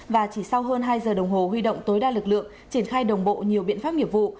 và chỉ sau hơn hai giờ đồng hồ huy động tối đa lực lượng triển khai đồng bộ nhiều biện pháp nghiệp vụ